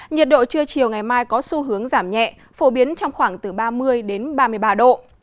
nhiệt độ trưa chiều ngày mai có xu hướng giảm nhẹ phổ biến trong khoảng từ ba mươi đến ba mươi ba độ